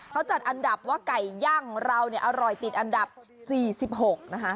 เขาจัดอันดับว่าไก่ย่างของเราเนี่ยอร่อยติดอันดับ๔๖นะคะ